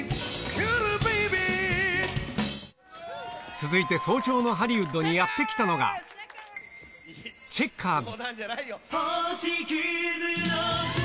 続いて早朝のハリウッドにやって来たのが、チェッカーズ。